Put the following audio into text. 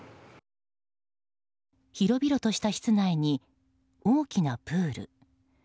広々とした室内に大きなプール。